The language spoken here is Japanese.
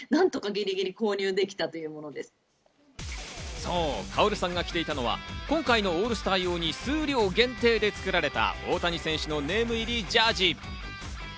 そう、カオルさんが着ていたのは今回のオールスター用に数量限定で作られた大谷選手のネーム入りジャージー。